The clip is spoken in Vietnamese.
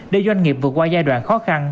để doanh nghiệp vượt qua giai đoạn khó khăn